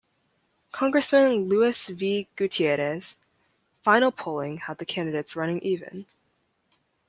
Congressman Luis V. Gutierrez; final polling had the candidates running even.